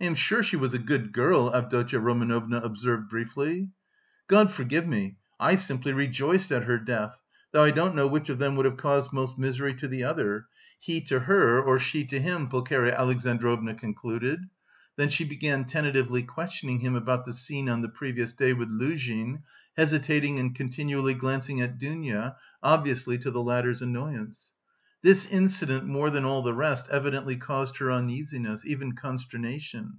"I am sure she was a good girl," Avdotya Romanovna observed briefly. "God forgive me, I simply rejoiced at her death. Though I don't know which of them would have caused most misery to the other he to her or she to him," Pulcheria Alexandrovna concluded. Then she began tentatively questioning him about the scene on the previous day with Luzhin, hesitating and continually glancing at Dounia, obviously to the latter's annoyance. This incident more than all the rest evidently caused her uneasiness, even consternation.